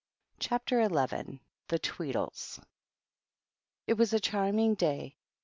CHAPTER XL THE TWEEBLES. It was a charming day.